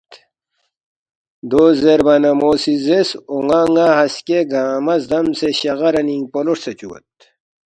دو زیربا نہ مو سی زیرس، ”اون٘ا ن٘ا ہسکے گنگمہ زدمسے شغرنِنگ پولو ہرژے چُوگید